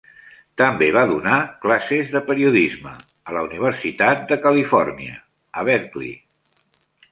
També va donar classes de periodisme a la Universitat de Califòrnia, a Berkeley.